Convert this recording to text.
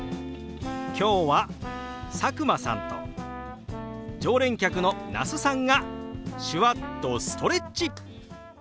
今日は佐久間さんと常連客の那須さんが手話っとストレッチ！